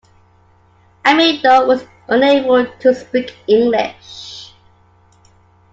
Amedeo was unable to speak English.